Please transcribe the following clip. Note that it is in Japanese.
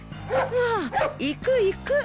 ああ行く行く。